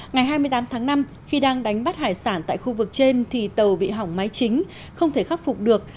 ngày hai mươi tám tháng năm khi đang đánh bắt hải sản tại khu vực trên thì tàu bị hỏng máy chính không thể khắc phục được